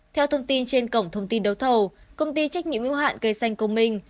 theo thông tin trên cổng thông tin đấu thầu công ty trách nhiệm hữu hạn cây xanh công minh